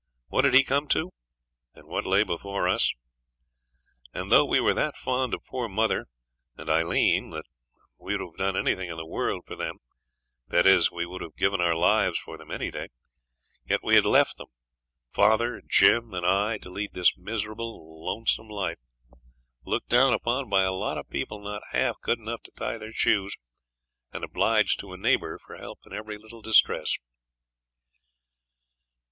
What had he come to? And what lay before us? And though we were that fond of poor mother and Aileen that we would have done anything in the world for them that is, we would have given our lives for them any day yet we had left them father, Jim, and I to lead this miserable, lonesome life, looked down upon by a lot of people not half good enough to tie their shoes, and obliged to a neighbour for help in every little distress.